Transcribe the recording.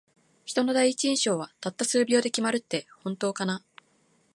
人の第一印象は、たった数秒で決まるって本当かな。